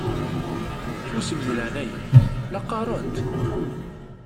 Susem deg leɛnaya-k la qqaṛent!